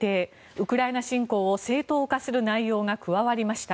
ウクライナ侵攻を正当化する内容が加わりました。